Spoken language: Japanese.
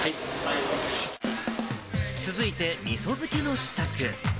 続いて、みそ漬けの試作。